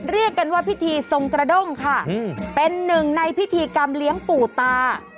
เรียกกันว่าพิธีทรงกระด้งค่ะเป็นหนึ่งในพิธีกรรมเลี้ยงปู่ตา